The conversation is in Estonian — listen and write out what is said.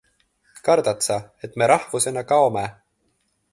Kardad sa, et me rahvusena kaome?